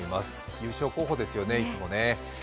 優勝候補ですよね、いつもね。